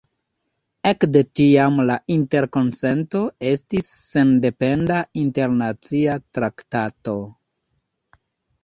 Ekde tiam la Interkonsento estis sendependa internacia traktato.